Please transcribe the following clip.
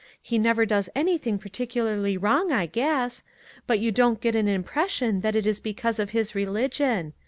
He never does anything particularly wrong, I guess ; but you don't get an im pression that it is because of his religion.